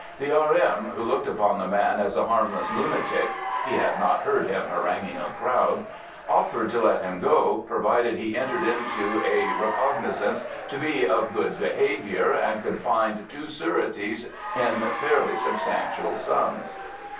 The R.M., who looked upon the man as a harmless lunatic (he had not heard him haranguing a crowd), offered to let him go provided he entered into a recognisance to be of good behaviour and could find two sureties in fairly substantial sums.